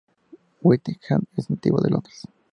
Whitehead es nativo de Londres.